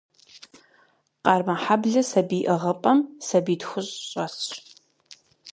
Къармэхьэблэ сабий ӏыгъыпӏэм сабий тхущӀ щӀэсщ.